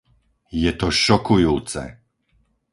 Je to šokujúce!